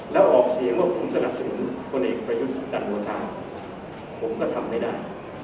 แล้วออกเสียงว่าผมสนับสนุนพลเอกประยุทธ์จันทร์โอชาผมก็ทำไม่ได้